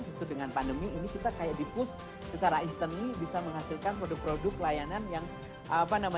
justru dengan pandemi ini kita kayak dipus secara istemi bisa menghasilkan produk produk layanan